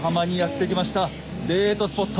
デートスポット。